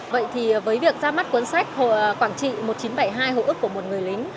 vậy thì với việc ra mắt cuốn sách quảng trị một nghìn chín trăm bảy mươi hai hồi ức của một người lính